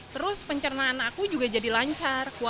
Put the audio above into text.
terus pencernaan aku juga jadi lancar